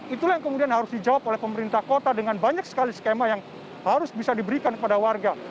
itulah yang kemudian harus dijawab oleh pemerintah kota dengan banyak sekali skema yang harus bisa diberikan kepada warga